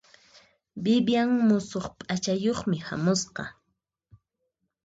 Vivian musuq p'achayuqmi hamusqa.